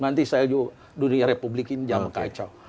nanti selju dunia republik ini jalan kacau